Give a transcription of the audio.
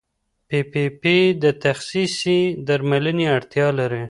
پي پي پي د تخصصي درملنې اړتیا لري.